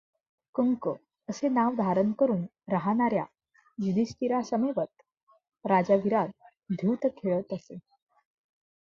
कंक असे नाव धारण करून राहाणार् या युधिष्ठिरासमवेत राजा विराट द्युत खेळत असे.